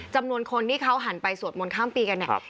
จำนวนคนที่เขาหันไปสวดมนต์ข้ามปีกันเนี่ย